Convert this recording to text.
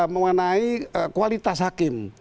mengenai kualitas hakim